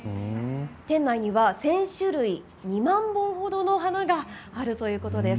店内には１０００種類２万本程の花があるということです。